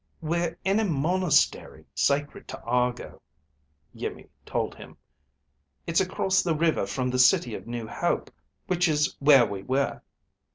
"We're in a monastery sacred to Argo," Iimmi told him. "It's across the river from the City of New Hope, which is where we were."